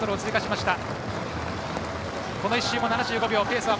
この１周も７５秒。